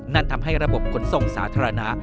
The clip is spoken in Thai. นั่นทำให้ระบบขนส่งสาธารณะ